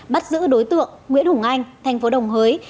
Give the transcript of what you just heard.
bắt giữ đối tượng nguyễn hùng anh thành phố đồng hới